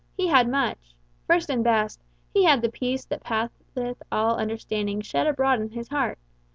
He had much. First and best, he had the peace that passeth all understanding shed abroad in his heart.